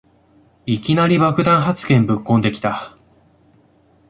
いきなり爆弾発言ぶっこんできた